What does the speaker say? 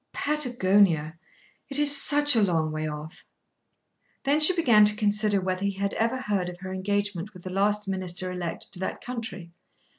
"Patagonia! It is such a long way off!" Then she began to consider whether he had ever heard of her engagement with the last Minister elect to that country.